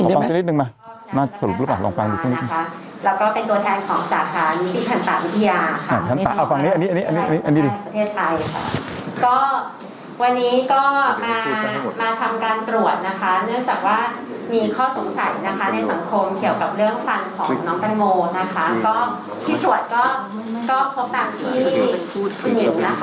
มาทำการตรวจเนื่องจากว่ามีข้อสงสัยในสังคมเขียวกับเรื่องฟันของน้องตั้งโงที่ตรวจก็พบตังค์ที่ผู้หญิง